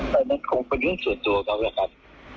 แต่มันคงเป็นเรื่องส่วนตัวเขาอะครับ